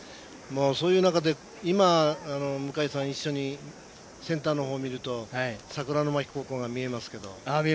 そういう中で向井さん一緒にセンターのほうを見ると桜宮高校が見えますけど。